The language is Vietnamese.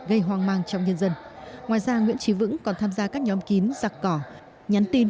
gây hoang mang trong nhân dân ngoài ra nguyễn trí vững còn tham gia các nhóm kín giặc cỏ nhắn tin